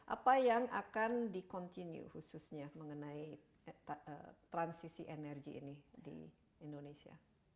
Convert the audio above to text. apa yang akan di continue khususnya mengenai transisi energi ini di indonesia